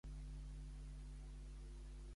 Pots afegir "portar el cotxe al mecànic" en un mes?